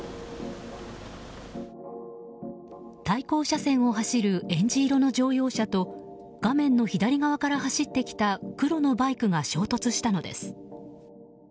対向車線を走るえんじ色の乗用車と画面の左側から走ってきた乗用車と黒のバイクが衝突したのです。